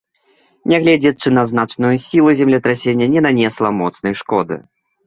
Нягледзячы на значную сілу, землетрасенне не нанесла моцнай шкоды.